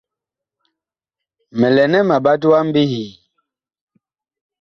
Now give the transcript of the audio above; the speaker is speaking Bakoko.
Mi lɛ nɛ ma ɓat wa mbihii ?